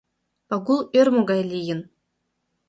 Пагул ӧрмӧ гай лийын.